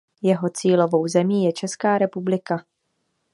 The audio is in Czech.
Jeho cílovou zemí je Česká republika.